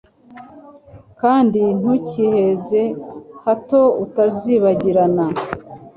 kandi ntukiheze, hato utazibagirana